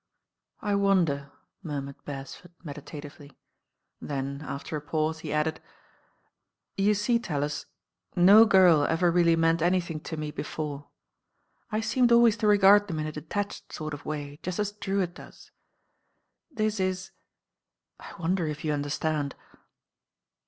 "I wonder," murmured Beresford meditatively: then after a pause he added, "You see, TaUis, no girl ever reaUy meant anything to me before. I •eemed always to regard them In a detached sort of way, just as Drewitt does. This is 1 wonder if you understand?"